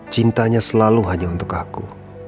cintanya selalu hanya untuk aku